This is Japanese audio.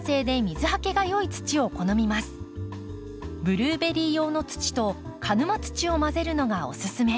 ブルーベリー用の土と鹿沼土を混ぜるのがおすすめ。